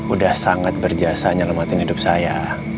udah sangat berjasa menyelamatkan hidup saya